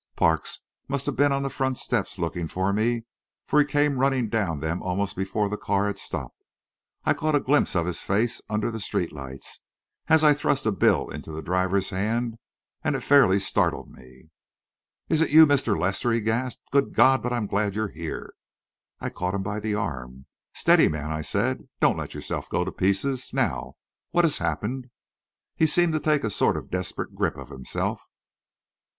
Parks must have been on the front steps looking for me, for he came running down them almost before the car had stopped. I caught a glimpse of his face under the street lights, as I thrust a bill into the driver's hand, and it fairly startled me. "Is it you, Mr. Lester?" he gasped. "Good God, but I'm glad you're here " I caught him by the arm. "Steady, man," I said. "Don't let yourself go to pieces. Now what has happened?" He seemed to take a sort of desperate grip of himself.